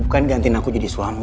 bukan gantiin aku jadi suami